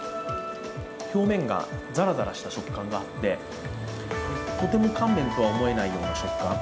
表面がザラザラした食感があって、とても乾麺とは思えないような食感。